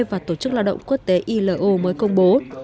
và tổ chức lao động quốc tế ilo mới công bố